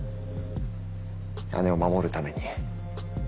姉を守るために。